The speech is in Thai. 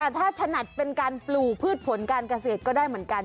ถ้าถนัดเป็นการปลูกพืชผลการเกษตรก็ได้เหมือนกัน